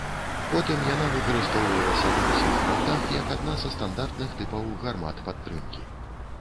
Потым яна выкарыстоўвалася на ўсіх франтах як адна са стандартных тыпаў гармат падтрымкі.